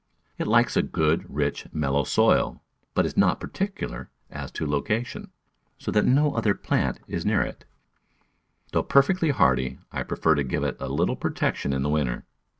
It likes a good, rich, mellow soil, but is not particular as to location, so that no other plant is near it. Though perfectly hardy I prefer to give it a little Digitized by Google 202 The Flower Garden protection in the winter.